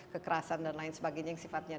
kekerasan dan lain sebagainya yang sifatnya